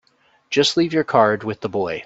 Just leave your card with the boy.